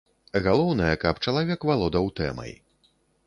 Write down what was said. Галоўнае, каб чалавек валодаў тэмай.